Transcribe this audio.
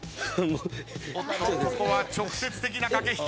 おっとここは直接的な駆け引き。